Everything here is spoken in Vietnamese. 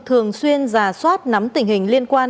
thường xuyên giả soát nắm tình hình liên quan